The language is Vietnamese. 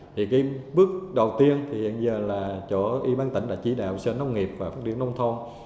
thì cái bước đầu tiên thì hiện giờ là chỗ y bác tỉnh đã chỉ đạo sở nông nghiệp và phát triển nông thôn